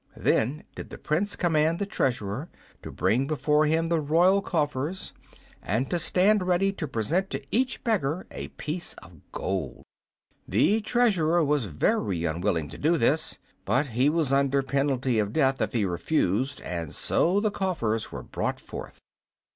Then did the Prince command the Treasurer to bring before him the royal coffers, and to stand ready to present to each beggar a piece of gold. The Treasurer was very unwilling to do this, but he was under penalty of death if he refused, and so the coffers were brought forth.